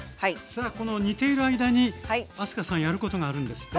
さあこの煮ている間に明日香さんやることがあるんですね。